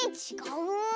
うん。